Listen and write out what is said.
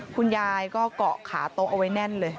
คุณยายก็เกาะขาโต๊ะเอาไว้แน่นเลย